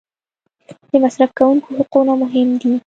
د مصرف کوونکي حقونه مهم دي.